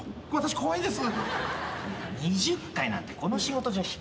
怖いです。